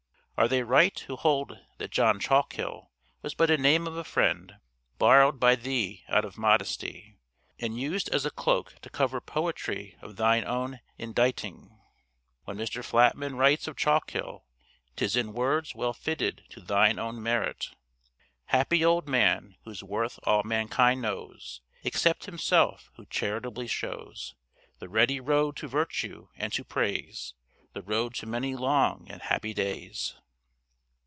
Are they right who hold that John Chalkhill was but a name of a friend, borrowed by thee out of modesty, and used as a cloak to cover poetry of thine own inditing? When Mr. Flatman writes of Chalkhill, 't is in words well fitted to thine own merit: Happy old man, whose worth all mankind knows Except himself, who charitably shows The ready road to virtue and to praise, The road to many long and happy days.